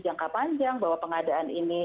jangka panjang bahwa pengadaan ini